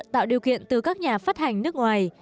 tạo điều kiện từ các nhà phát hành nước ngoài